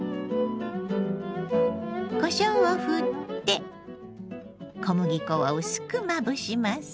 こしょうをふって小麦粉を薄くまぶします。